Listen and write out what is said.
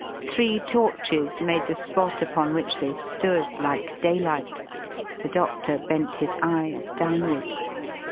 Three torches made the spot upon which they stood like daylight. The doctor bent his eyes downward.